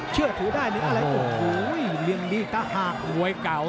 เชื่อถูกได้โอ้โหโหยเรียนดีกะหัก